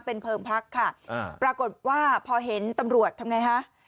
เป็นเพลิงพักค่ะอ่าปรากฏว่าพอเห็นตำรวจทำไงฮะ